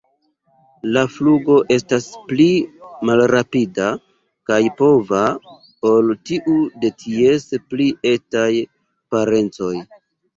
La flugo estas pli malrapida kaj pova ol tiu de ties pli etaj parencoj.